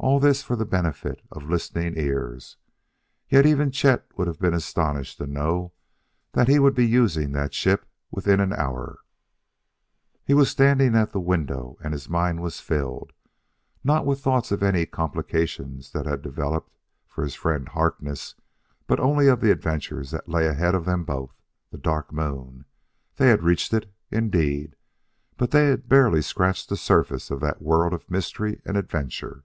All this for the benefit of listening ears. Yet even Chet would have been astonished to know that he would be using that ship within an hour.... He was standing at the window, and his mind was filled, not with thoughts of any complications that had developed for his friend Harkness, but only of the adventures that lay ahead of them both. The Dark Moon! they had reached it, indeed; but they had barely scratched the surface of that world of mystery and adventure.